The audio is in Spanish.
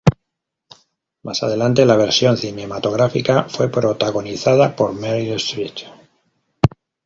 Más adelante la versión cinematográfica fue protagonizada por Meryl Streep.